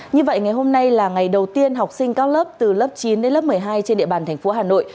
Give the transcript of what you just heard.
như vậy ngày hôm nay là ngày đầu tiên học sinh cao lớp từ lớp chín đến lớp một mươi hai trên địa bàn thành phố hà nội